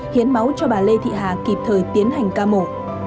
hiến máu cho bà lê thị hà kịp thời tiến hành ca mổ